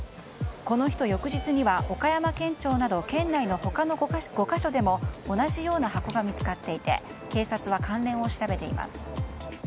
この人翌日には、岡山県庁など県内の他の５か所で同じような箱が見つかっていて警察は関連を調べています。